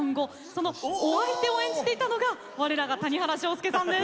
そのお相手を演じていたのが我らが谷原章介さんです。